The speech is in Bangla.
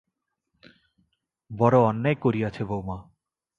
বড়ো অন্যায় করিয়াছে বউমা।